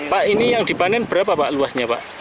pak ini yang dibanen berapa pak luasnya pak